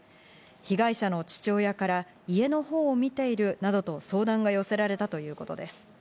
被害者の父親から、家のほうを見ているなどと相談が寄せられたということです。